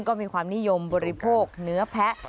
ก็มีความนิยมบริโภคเนื้อแพะ